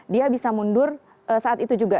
dia bisa mundur saat itu juga